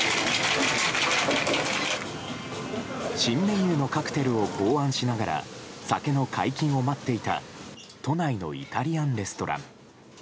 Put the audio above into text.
新メニューのカクテルを考案しながら酒の解禁を待っていた都内のイタリアンレストラン。